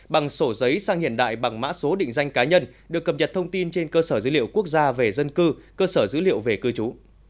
bằng sổ giấy sang hiện đại bằng mã số định danh cá nhân được cập nhật thông tin trên cơ sở dữ liệu quốc gia về dân cư cơ sở dữ liệu về cư trú